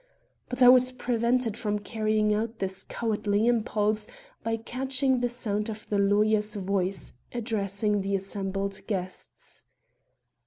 But I was prevented from carrying out this cowardly impulse, by catching the sound of the lawyer's voice, addressing the assembled guests.